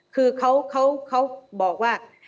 คือเขาบอกว่า